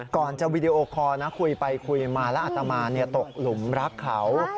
ก่อนจะวีดีโอคอร์นะคุยไปคุยมาแล้วอัตมาตกหลุมรักเขา